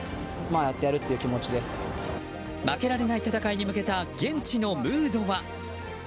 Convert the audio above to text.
負けられない戦いに向けた現地のムードは？